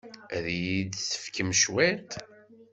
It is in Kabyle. Ad iyi-d-tefkem cwiṭ?